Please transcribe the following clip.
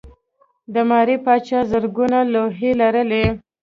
د ماري پاچا زرګونه لوحې لرلې.